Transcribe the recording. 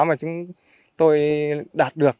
mà chúng tôi đạt được